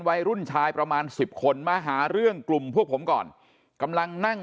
วัยรุ่นชายประมาณสิบคนมาหาเรื่องกลุ่มพวกผมก่อนกำลังนั่ง